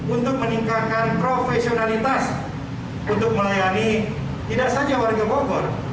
untuk meningkatkan profesionalitas untuk melayani tidak saja warga bogor